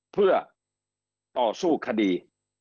เพื่อต่อสู้คดี